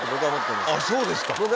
あっそうですか。